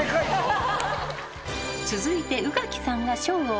［続いて］